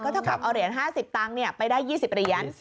เท่ากับเอาเหรียญ๕๐ตังค์ไปได้๒๐เหรียญ